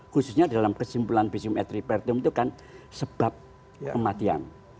khususnya dalam kesimpulan visum etripertum itu kan sebab kematian